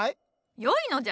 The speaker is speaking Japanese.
よいのじゃ！